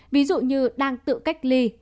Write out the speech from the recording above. ví dụ như đang tự cách ly